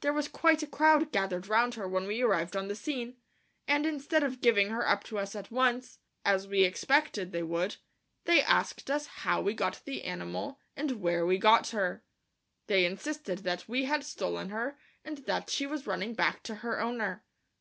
There was quite a crowd gathered round her when we arrived on the scene, and instead of giving her up to us at once, as we expected they would, they asked us how we got the animal and where we got her. They insisted that we had stolen her and that she was running back to her owner.